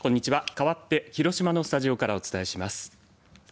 かわって広島のスタジオからお伝えします。